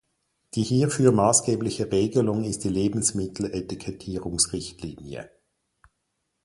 Die hierfür maßgebliche Regelung ist die Lebensmitteletikettierungs-Richtlinie.